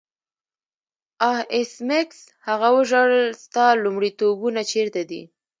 آه ایس میکس هغه وژړل ستا لومړیتوبونه چیرته دي